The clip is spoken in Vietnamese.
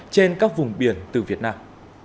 trên các vùng biển từ việt nam